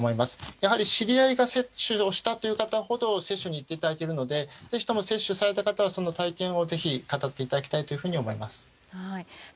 やはり知り合いが接種をした方というほど接種に行けてもらえるのでぜひとも接種された方はその体験を語っていただきたいと思います。